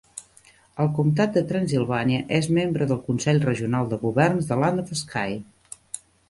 El comtat de Transylvania és membre del Consell Regional de governs de Land-of-Sky.